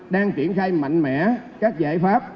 đang triển khai mạnh mẽ các giải pháp